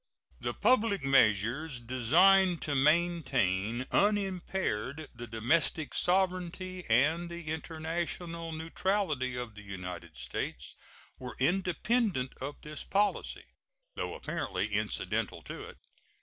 The public measures designed to maintain unimpaired the domestic sovereignty and the international neutrality of the United States were independent of this policy, though apparently incidental to it.